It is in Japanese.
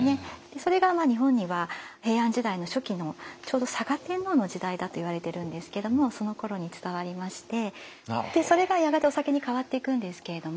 それが日本には平安時代の初期のちょうど嵯峨天皇の時代だといわれているんですけどもそのころに伝わりましてそれがやがてお酒に変わっていくんですけれども。